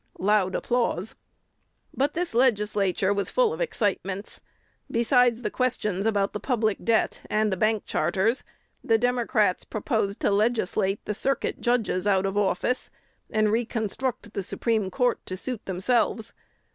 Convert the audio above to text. (Loud applause.) But this Legislature was full of excitements. Besides the questions about the public debt and the bank charters, the Democrats proposed to legislate the Circuit judges out of office, and reconstruct the Supreme Court to suit themselves.